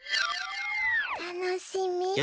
たのしみ。ね！